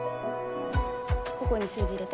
ここに数字入れて。